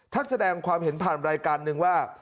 ท่านแสดงความเห็นผ่านรายการหนึ่งว่า